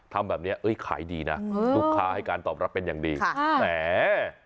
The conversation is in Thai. ทำแบบเนี้ยเอ้ยขายดีน่ะตุ๊กค้าให้การตอบรับเป็นอย่างดีค่ะแหม